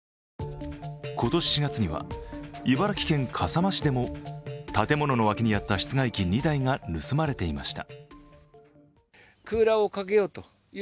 今年４月には茨城県笠間市でも建物の脇にあった室外機２台が盗まれていました。